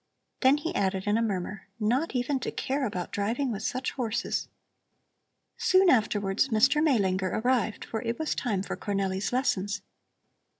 Then he added, in a murmur: "Not even to care about driving with such horses!" Soon afterwards, Mr. Maelinger arrived, for it was time for Cornelli's lessons.